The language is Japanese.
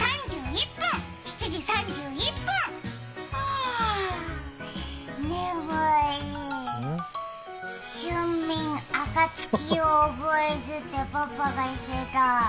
あ、眠い春眠暁を覚えずってパパが言ってた。